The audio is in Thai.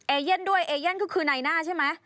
เอเย่นด้วยเอเย่นก็คือนายหน้าใช่ไหม